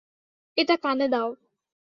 এটা কানে দাও।